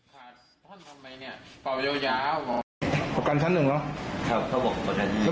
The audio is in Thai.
พอให้มันถึงอีก